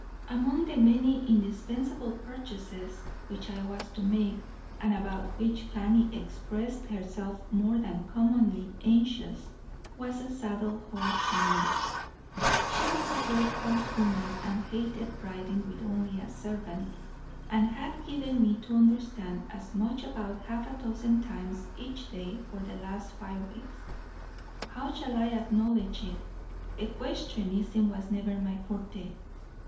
"Among the many indispensable purchases which I was to make, and about which Fanny expressed herself more than commonly anxious, was a saddle horse for me. She was a great horse woman, and hated riding with only a servant; and had given me to understand as much about half a dozen times each day for the last five weeks. How shall I acknowledge it equestrianism was never my forte.